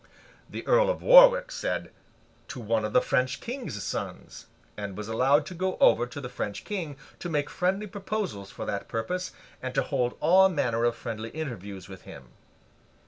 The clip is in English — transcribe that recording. The Earl of Warwick said, 'To one of the French King's sons,' and was allowed to go over to the French King to make friendly proposals for that purpose, and to hold all manner of friendly interviews with him.